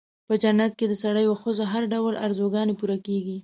په جنت کې د سړیو او ښځو هر ډول آرزوګانې پوره کېږي.